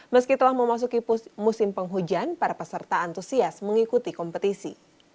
meskitalah memasuki musim penghujan para peserta antusias mengikuti kompetisi